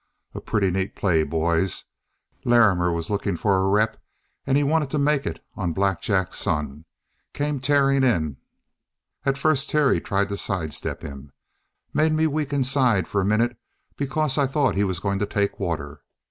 A pretty neat play, boys. Larrimer was looking for a rep, and he wanted to make it on Black Jack's son. Came tearing in. "At first Terry tried to sidestep him. Made me weak inside for a minute because I thought he was going to take water.